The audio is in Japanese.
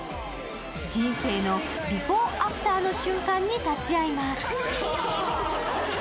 人生のビフォアアフターの瞬間に立ち会います。